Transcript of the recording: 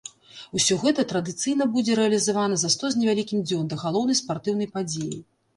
Усё гэта традыцыйна будзе рэалізавана за сто з невялікім дзён да галоўнай спартыўнай падзеі.